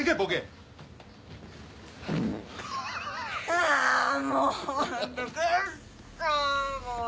あもう！